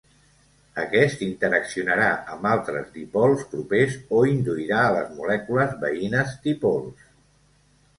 Aquest interaccionarà amb altres dipols propers o induirà a les molècules veïnes dipols.